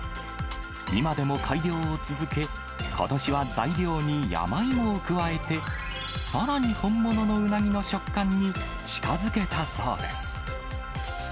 今でも改良を続け、ことしは材料に山芋を加えて、さらに本物のうなぎの食感に近づけたそうです。